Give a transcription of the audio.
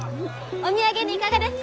お土産にいかがですか？